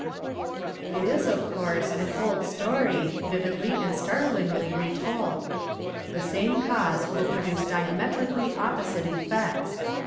It is, of course, an old story, vividly and startlingly retold. The same cause will produce diametrically opposite effects.